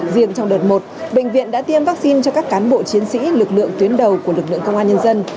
riêng trong đợt một bệnh viện đã tiêm vaccine cho các cán bộ chiến sĩ lực lượng tuyến đầu của lực lượng công an nhân dân